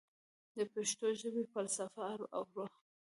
د پښتو ژبې فلسفه او روح